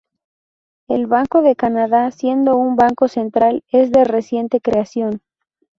El Banco de Canadá, siendo un banco central, es de reciente creación.